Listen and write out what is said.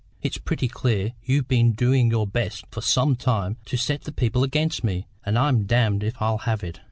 It's pretty clear you've been doing your best for some time to set the people against me, and I'm damned if I'll have it!